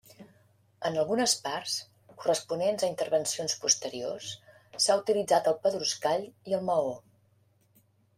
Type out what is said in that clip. En algunes parts, corresponents a intervencions posteriors, s'ha utilitzat el pedruscall i el maó.